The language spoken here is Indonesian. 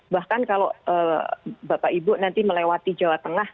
bahkan kalau bapak ibu nanti melewati jawa tengah